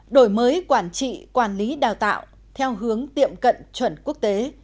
đổi mới quản trị quản lý đào tạo theo hướng tiệm cận chuẩn quốc tế